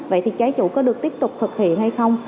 vậy thì trái chủ có được tiếp tục thực hiện hay không